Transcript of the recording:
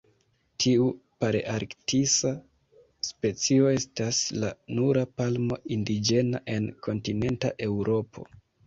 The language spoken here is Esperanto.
Tiu palearktisa specio estas la nura palmo indiĝena en kontinenta Eŭropo.